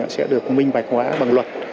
sẽ được minh bạch hóa bằng luật